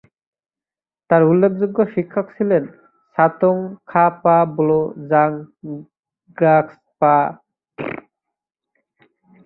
তার উল্লেখযোগ্য শিক্ষক ছিলেন ত্সোং-খা-পা-ব্লো-ব্জাং-গ্রাগ্স-পা, র্গ্যাল-ত্শাব-র্জে-দার-মা-রিন-ছেন ও ম্খাস-গ্রুব-র্জে-দ্গে-লেগ্স-দ্পাল-ব্জাং।